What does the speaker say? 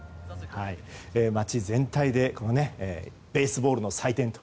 街全体でベースボールの祭典と。